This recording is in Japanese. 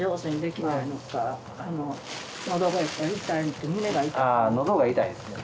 のどが痛いですね